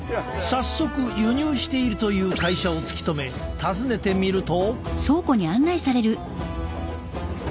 早速輸入しているという会社を突き止め訪ねてみると。